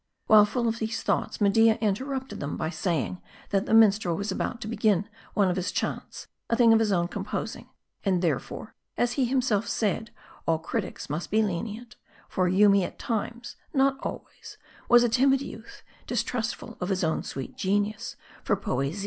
While full of these thoughts, Media interrupted them by saying, that the minstrel was about to begin one of his chants, a thing of his own composing ; and therefore, as he himself said, all critics must be lenient ; for Yoomy, at times, not always, was a timid youth, distrustful of his own sweet genius for poesy.